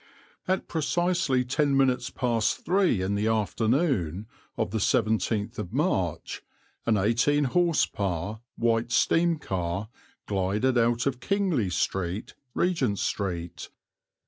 At precisely ten minutes past three in the afternoon of the 17th of March an 18 h.p. White steam car glided out of Kingly Street, Regent Street.